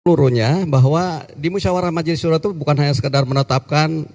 seluruhnya bahwa di musyawarah majlis surat itu bukan hanya sekedar menetapkan